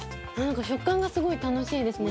食感がすごい楽しいですね